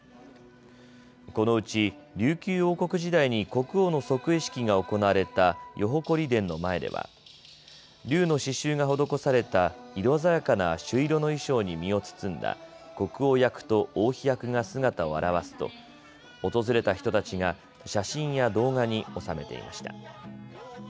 このうち琉球王国時代に国王の即位式が行われた世誇殿の前では竜の刺しゅうが施された色鮮やかな朱色の衣装に身を包んだ国王役と王妃役が姿を現すと訪れた人たちが写真や動画に収めていました。